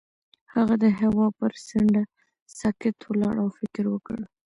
هغه د هوا پر څنډه ساکت ولاړ او فکر وکړ.